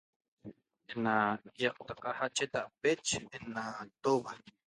Na iactaqa achetape ena toba